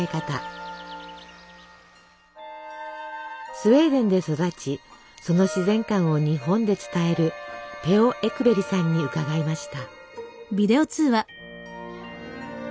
スウェーデンで育ちその自然観を日本で伝えるペオ・エクベリさんに伺いました。